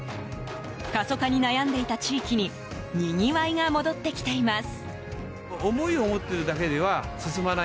過疎化に悩んでいた地域ににぎわいが戻ってきています。